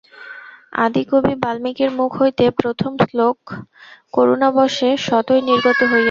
আদিকবি বাল্মীকির মুখ হইতে প্রথম শ্লোক করুণাবশে স্বতই নির্গত হইয়াছিল।